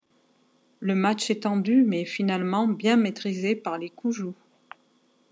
Le match est tendu mais finalement bien maîtrisé par les Coujoux.